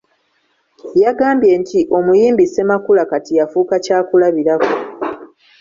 Yagambye nti omuyimbi Ssemakula kati yafuuka kyakulabirako.